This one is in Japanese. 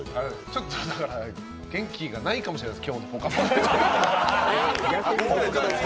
ちょっと元気がないかもしれないです、今日の「ぽかぽか」。